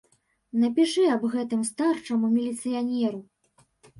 Напішы аб гэтым старшаму міліцыянеру.